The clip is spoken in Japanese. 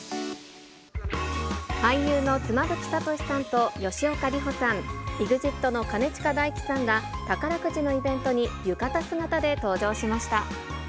俳優の妻夫木聡さんと吉岡里帆さん、ＥＸＩＴの兼近大樹さんが、宝くじのイベントに浴衣姿で登場しました。